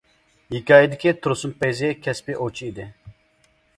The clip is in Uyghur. ھېكايىدىكى تۇرسۇن پەيزى كەسپىي ئوۋچى ئىدى.